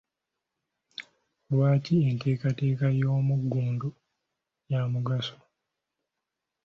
Lwaki enteekateeka ey'omuggundu ya mugaso?